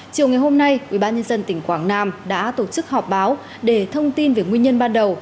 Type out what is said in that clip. chiều ngày hôm nay ubnd tỉnh quảng nam đã tổ chức họp báo để thông tin về nguyên nhân ban đầu